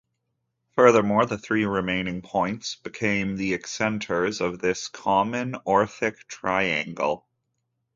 Furthermore, the three remaining points become the excenters of this common orthic triangle.